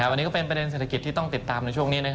วันนี้ก็เป็นประเด็นเศรษฐกิจที่ต้องติดตามในช่วงนี้